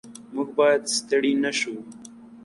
موږ باید ستړي نه شو.